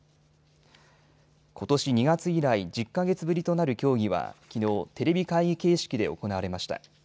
ことし２月以来、１０か月ぶりとなる協議はきのうテレビ会議形式で行われました。